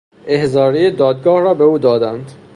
احضاریهی دادگاه را به او دادند.